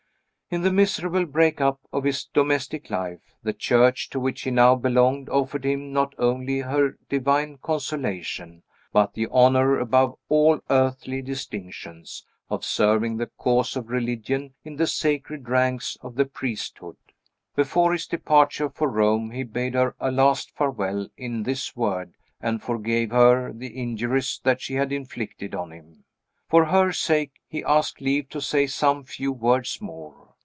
"In the miserable break up of his domestic life, the Church to which he now belonged offered him not only her divine consolation, but the honor, above all earthly distinctions, of serving the cause of religion in the sacred ranks of the priesthood. Before his departure for Rome he bade her a last farewell in this world, and forgave her the injuries that she had inflicted on him. For her sake he asked leave to say some few words more.